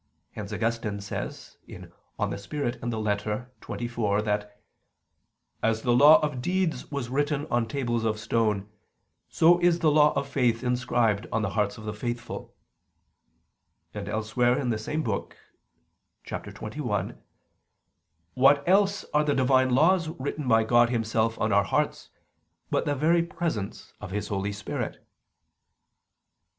Hence Augustine says (De Spir. et Lit. xxiv) that "as the law of deeds was written on tables of stone, so is the law of faith inscribed on the hearts of the faithful": and elsewhere, in the same book (xxi): "What else are the Divine laws written by God Himself on our hearts, but the very presence of His Holy Spirit?"